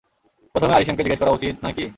প্রথমে আরিশেমকে জিজ্ঞেস করা উচিত নয় কি?